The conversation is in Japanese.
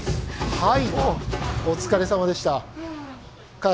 はい。